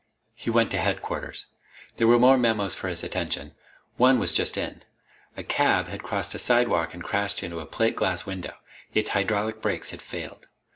He went to Headquarters. There were more memos for his attention. One was just in. A cab had crossed a sidewalk and crashed into a plate glass window. Its hydraulic brakes had failed.